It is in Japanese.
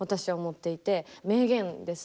名言です。